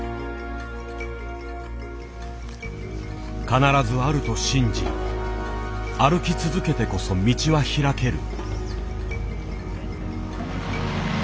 必ずあると信じ歩き続けてこそ道は開ける。